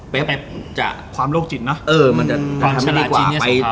เป๊บจะทำดีกว่า